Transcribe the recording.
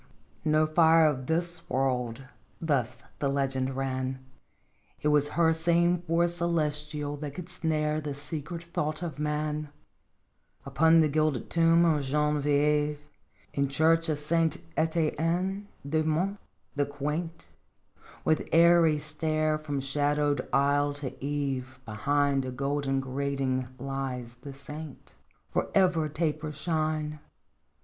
' No fire of this world 'thus the legend ran ;' T was her same force celestial that could snare The secret thought of man ! 56 " Upon the gilded tomb of Genevieve In church of Saint Etienne du Mont, the quaint, With airy stair from shadowed aisle to eave Behind a golden grating lies the saint. Forever tapers shine.